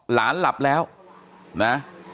หลานหลับแล้วนะ